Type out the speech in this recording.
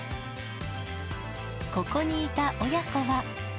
ここにいた親子は。